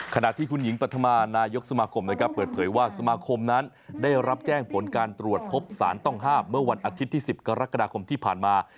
ขณะที่คุณหญิงปฐมานายกสมาคมนะครับเปิดเผยว่าสมาคมนั้นได้รับแจ้งผลการตรวจพบสารต้องห้ามเมื่อวันอาทิตย์ที่๑๐กรกฎาคมที่ผ่านมา